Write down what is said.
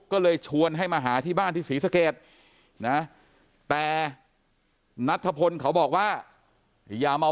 ก็เลยชวนให้มาหาที่บ้านที่ศรีสเกตนะแต่นัทธพลเขาบอกว่าอย่ามา